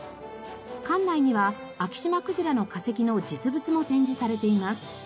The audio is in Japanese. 館内にはアキシマクジラの化石の実物も展示されています。